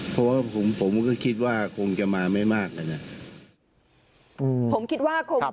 ผมคิดว่าคงจะมาไม่มากนะครับ